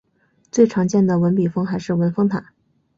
最常见的文笔峰还是文峰塔。